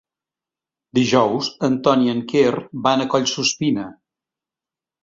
Dijous en Ton i en Quer van a Collsuspina.